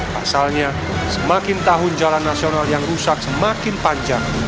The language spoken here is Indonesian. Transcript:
pasalnya semakin tahun jalan nasional yang rusak semakin panjang